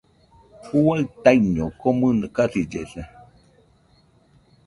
Juaɨ taiño komɨnɨ kasillesa.